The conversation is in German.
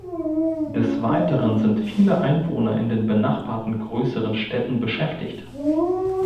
Des Weiteren sind viele Einwohner in den benachbarten größeren Städten beschäftigt.